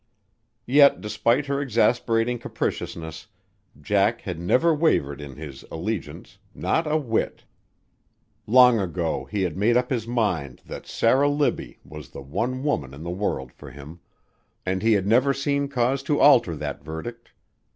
Yet despite her exasperating capriciousness, Jack had never wavered in his allegiance, not a whit. Long ago he had made up his mind that Sarah Libbie was the one woman in the world for him, and he had never seen cause to alter that verdict.